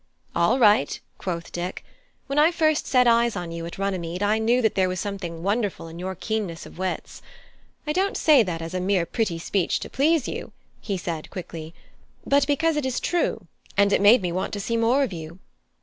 "All right," quoth Dick. "When I first set eyes on you at Runnymede I knew that there was something wonderful in your keenness of wits. I don't say that as a mere pretty speech to please you," said he quickly, "but because it is true; and it made me want to see more of you.